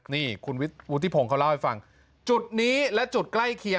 นี่คุณวุฒิพงศ์เขาเล่าให้ฟังจุดนี้และจุดใกล้เคียง